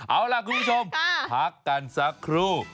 เอาล่ะคุณผู้ชมพักกันสักครู่